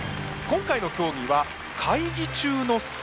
今回の競技は「会議中の睡魔」です。